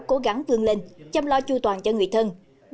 cố gắng vương lên chăm lo chu toàn cho người thân